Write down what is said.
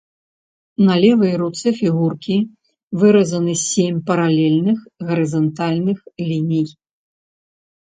На левай руцэ фігуркі выразаны сем паралельных, гарызантальных ліній.